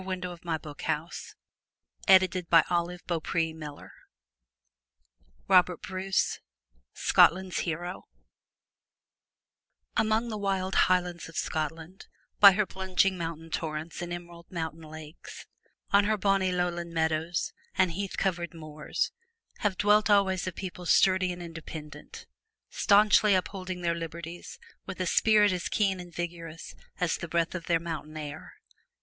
Pibroch of Donuil Dhu, Knell for the onset! 280 FROM THE TOWER WINDOW ROBERT BRUCE, SCOTLAND'S HERO MONG the wild highlands of Scotland, by her plunging mountain torrents, and emerald mountain lakes, on her bonnie lowland meadows and heath covered moors, have dwelt always a people sturdy and independent, staunchly upholding their liberties with a spirit as keen and vigorous as the breath of their mountain air.